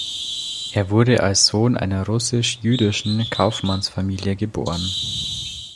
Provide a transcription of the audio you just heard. Er wurde als Sohn einer russisch-jüdischen Kaufmannsfamilie geboren.